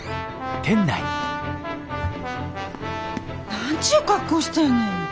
何ちゅう格好してんねん。